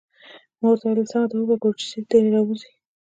ما ورته وویل: سمه ده، وبه ګورو چې څه شي ترې راوزي.